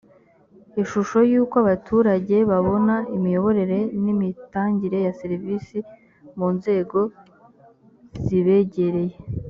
ishusho y’ uko abaturage babona imiyoborere n’ imitangire ya serivisi mu nzego zibegereye